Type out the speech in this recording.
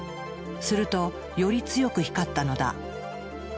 するとより強く光ったのだ。